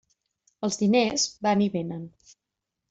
Els diners van i vénen.